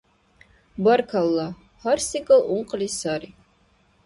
Баркалла, гьар секӀал ункъли сари.